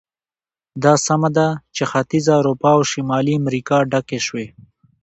دا سمه ده چې ختیځه اروپا او شمالي امریکا ډکې شوې.